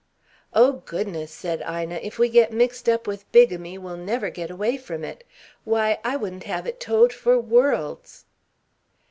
"Oh, goodness," said Ina, "if we get mixed up with bigamy, we'll never get away from it. Why, I wouldn't have it told for worlds."